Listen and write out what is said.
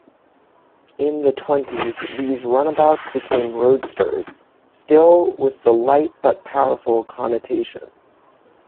In the Twenties, these runabouts became roadsters, still with the light-but-powerful connotation.